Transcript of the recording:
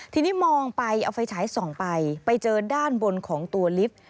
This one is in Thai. ทีนี้มองไปเอาไฟฉายส่องไปไปเจอด้านบนของตัวลิฟต์